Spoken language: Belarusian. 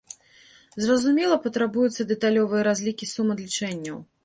Зразумела, патрабуюцца дэталёвыя разлікі сум адлічэнняў.